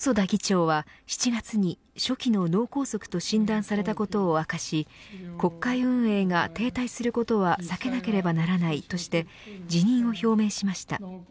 細田議長は７月に初期の脳梗塞と診断されたことを明かし国会運営が停滞することは避けなければならないとして辞任を表明しました。